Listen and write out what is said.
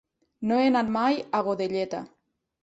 No he anat mai a Godelleta.